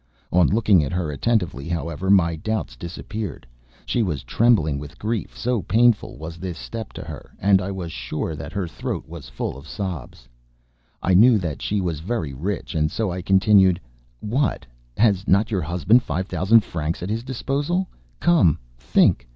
On looking at her attentively, however, my doubts disappeared. She was trembling with grief, so painful was this step to her, and I was sure that her throat was full of sobs. I knew that she was very rich and so I continued: "What! Has not your husband five thousand francs at his disposal! Come, think.